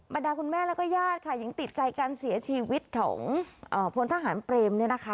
ดาคุณแม่แล้วก็ญาติค่ะยังติดใจการเสียชีวิตของพลทหารเปรมเนี่ยนะคะ